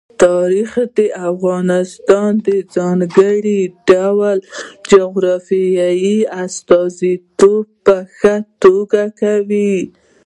تاریخ د افغانستان د ځانګړي ډول جغرافیې استازیتوب په ښه توګه کوي.